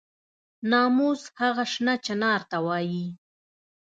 ناموس هغه شنه چنار ته وایي.